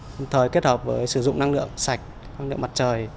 đồng thời kết hợp với sử dụng năng lượng sạch năng lượng mặt trời